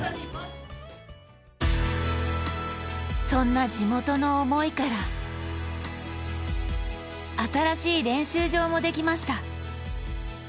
そんな地元の思いから新しい練習場もできました。